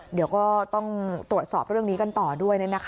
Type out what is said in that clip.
เดี๋ยวก็ต้องตรวจสอบเรื่องนี้กันต่อด้วย